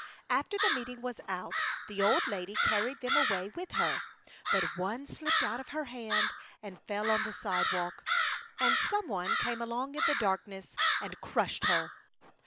After the meeting was out, the old lady. carried them away with her, but one slipped out of her hand and fell on the walk, and some one came along in the darkness and crushed her.